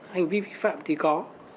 hành vi vi phạm thì có